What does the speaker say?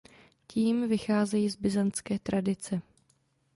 Tím vycházejí z byzantské tradice.